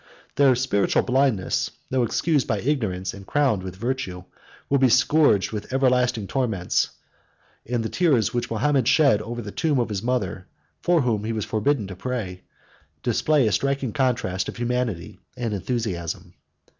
Their spiritual blindness, though excused by ignorance and crowned with virtue, will be scourged with everlasting torments; and the tears which Mahomet shed over the tomb of his mother for whom he was forbidden to pray, display a striking contrast of humanity and enthusiasm.